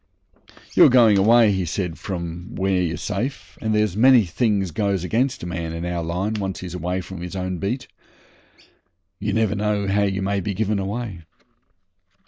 'You're going away,' he said, 'from where you're safe, and there's a many things goes against a man in our line, once he's away from his own beat. You never know how you may be given away.